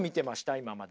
今まで。